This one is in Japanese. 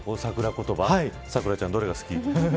言葉咲楽ちゃん、どれが好き。